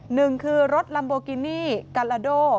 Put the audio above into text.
หนึ่งคือรถลัมโบกินี่กาลาโด